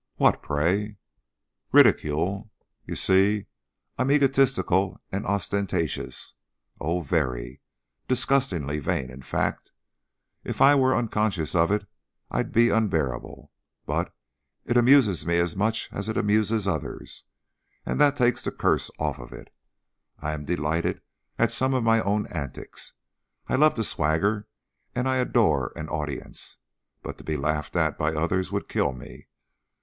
"What, pray?" "Ridicule! You see, I'm egotistical and ostentatious. Oh, very! Disgustingly vain, in fact. If I were unconscious of it, I'd be unbearable, but it amuses me as much as it amuses others, and that takes the curse off of it. I am delighted at some of my own antics. I love to swagger and I adore an audience, but to be laughed at by others would kill me.